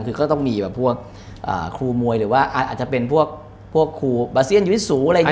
คือก็ต้องมีแบบพวกครูมวยหรือว่าอาจจะเป็นพวกครูบาเซียนยูอะไรอย่างนี้